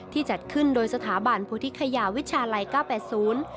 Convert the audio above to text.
ที่จัดขึ้นโดยสถาบันพฤษภัยวิชาลัย๙๘๐